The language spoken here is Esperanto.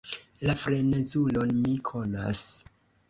La frenezulon mi konas.